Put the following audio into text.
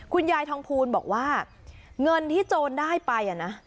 คุณยายทองภูลบอกว่าเงินที่โจรได้ไปนะ